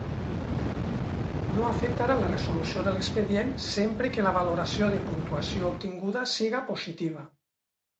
No afectarà la resolució de l'expedient sempre que la valoració de puntuació obtinguda siga positiva.